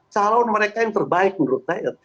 calon mereka yang terbaik menurut saya